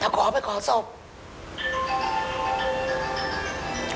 เดี๋ยวคอยขอไปขอตัวหนึ่งนิสล